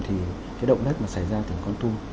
thì cái động đất mà xảy ra ở tỉnh con tum